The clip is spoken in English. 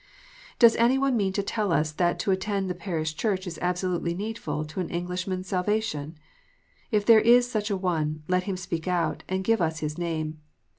Does any one mean to tell us that to attend the parish church is absolutely needful to an Englishman s salvation 1 If there is such an one, let him speak out, and give us his name.